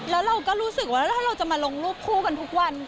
แล้วเราก็รู้สึกว่าถ้าเราจะมาลงรูปคู่กันทุกวัน